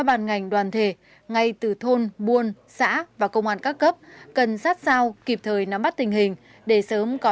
đây là những bức tranh rất là sinh động